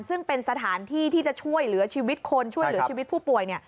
ซึ่งเป็นสถานที่ที่จะช่วยเหลือชีวิตคนช่วยเหลือชีวิตผู้ป่วย